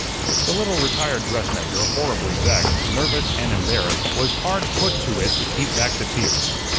The little retired dressmaker, horribly vexed, nervous and embarrassed, was hard put to it to keep back the tears.